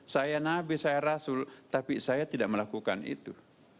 saya nabi saya rasul tapi saya tidak melakukan itu